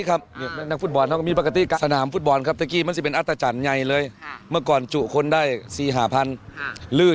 คุณผู้ชมค่านี่คือเลขเก้าแปด